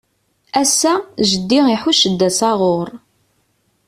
Ass-a, jeddi iḥucc-d asaɣur.